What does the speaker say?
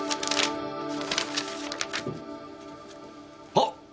あっ！？